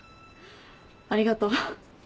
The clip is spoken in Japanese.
ありがとう。